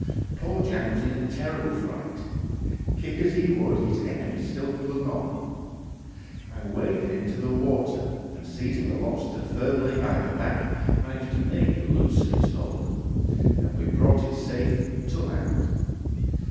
Poor Jack was in a terrible fright; kick as he would, his enemy still clung on. I waded into the water, and seizing the lobster firmly by the back, managed to make it loosen its hold, and we brought it safe to land.